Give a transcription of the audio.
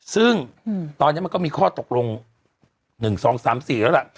ซึ่งตอนนี้มันก็มีข้อตกลง๑๒๓๔แล้วล่ะ